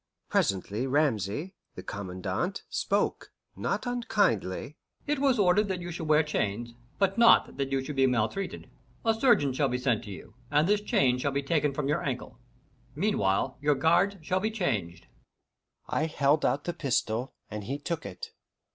Presently Ramesay, the Commandant, spoke, not unkindly: "It was ordered you should wear chains, but not that you should be maltreated. A surgeon shall be sent to you, and this chain shall be taken from your ankle. Meanwhile, your guards shall be changed." I held out the pistol, and he took it.